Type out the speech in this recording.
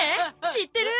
知ってる！